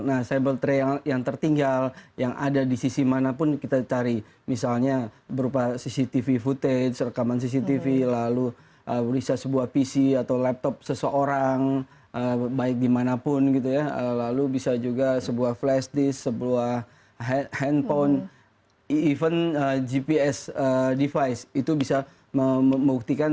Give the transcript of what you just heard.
nah cyber trail yang tertinggal yang ada di sisi manapun kita cari misalnya berupa cctv footage rekaman cctv lalu bisa sebuah pc atau laptop seseorang baik dimanapun gitu ya lalu bisa juga sebuah flash disk sebuah handphone even gps device itu bisa membuktikan